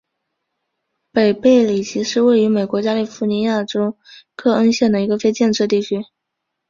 北贝里奇是位于美国加利福尼亚州克恩县的一个非建制地区。